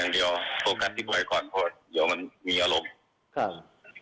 เดี๋ยวมันมีอารมณ์